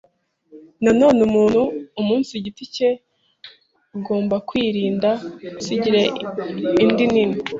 Nenone umuntu umunsi giti cye egombe kwirinde umunsigire inde nini